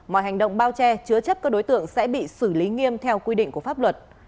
mọi hành động bao che chứa chấp các đối tượng sẽ bị xử lý nghiêm theo quy định của pháp luật